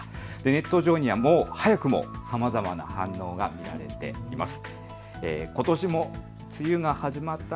ネット上には早くもさまざまな反応が見られています。